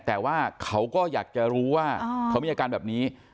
แต่ว่าเขาก็อยากจะรู้ว่าเขามีอาการแบบนี้